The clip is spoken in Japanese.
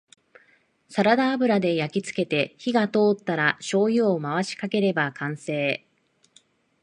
サラダ油で焼きつけて火が通ったらしょうゆを回しかければ完成